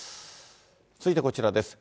続いてこちらです。